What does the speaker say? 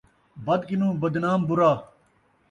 بد کنوں بدنام برا